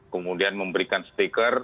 kemudian memberikan stiker